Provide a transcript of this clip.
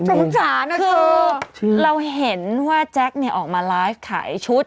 สงสารคือเราเห็นว่าแจ๊คเนี่ยออกมาไลฟ์ขายชุด